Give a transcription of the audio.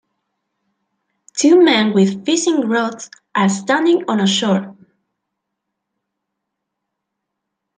Two men with fishing rods are standing on a shore